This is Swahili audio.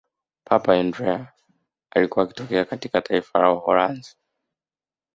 papa andrea alikuwa akitokea katika taifa la uholanzi